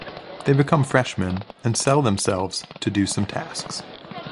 They become freshman and "sell" themselves to do some tasks.